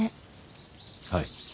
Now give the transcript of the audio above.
はい。